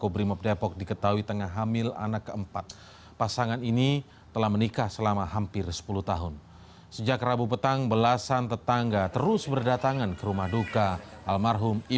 breaking news akan segera kembali setelah ini